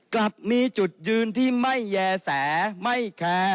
กลับมีจุดยืนที่ไม่แย่แสไม่แคร์